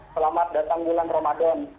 selamat datang bulan ramadan